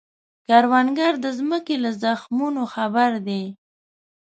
کروندګر د ځمکې له زخمونو خبر دی